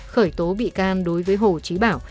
khởi tố bị can đối với hồ trí bảo